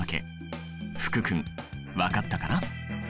福君分かったかな？